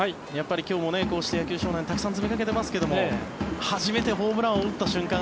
今日もこうして野球少年がたくさん詰めかけてますけども初めてホームランを打った瞬間